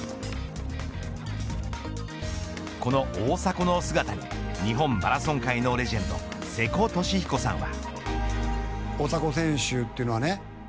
この大迫の姿に日本マラソン界のレジェンド瀬古利彦さんは。